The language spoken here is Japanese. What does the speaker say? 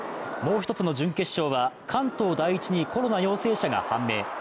もう１つの準決勝は関東第一にコロナ陽性者が判明。